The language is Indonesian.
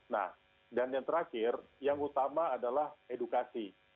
nah dan yang terakhir yang utama adalah edukasi